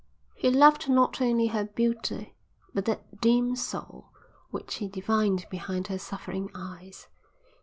He loved not only her beauty, but that dim soul which he divined behind her suffering eyes.